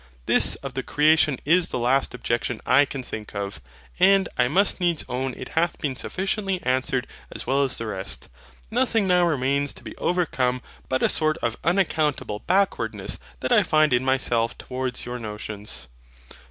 This of the CREATION is the last objection I can think of; and I must needs own it hath been sufficiently answered as well as the rest. Nothing now remains to be overcome but a sort of unaccountable backwardness that I find in myself towards your notions.